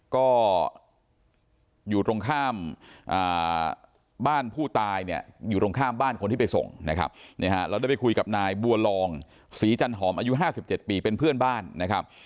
ก็อยู่ตรงข้ามบ้านผู้ตายเนี่ยอยู่ตรงข้ามบ้านคนที่ไปส่งนะครับเราได้ไปคุยกับนายบัวลองศรีจันหอมอายุ๕๗ปีเป็นเพื่อนบ้านนะครับ